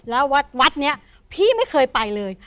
แล้ววัดนี้พี่ไม่เคยไปเลย